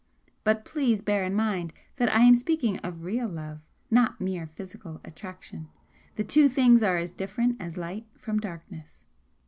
But please bear in mind that I am speaking of real Love, not mere physical attraction. The two things are as different as light from darkness."